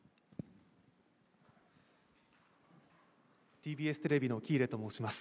ＴＢＳテレビの喜入と申します。